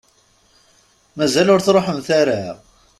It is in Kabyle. Mazal ur truḥemt ara?